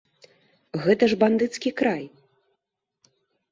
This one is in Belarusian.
Гэта ж бандыцкі край!